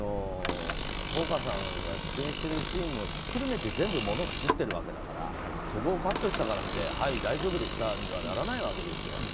ほうかさんが出演してるシーンもひっくるめて物を作っているわけだからそこをカットしたところではい、大丈夫でしたにはならないわけですよ。